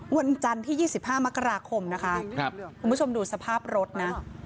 วันจันทร์ที่๒๕มกราคมนะคะคุณผู้ชมดูสภาพรถนะ